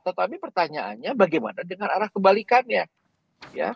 tetapi pertanyaannya bagaimana dengan arah kebalikannya